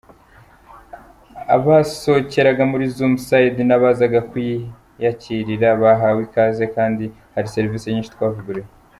Abasohoheraga muri Zoom Side n’abazaga kuhiyakirira bahawe ikaze kandi hari serivisi nyinshi twavuguruye”.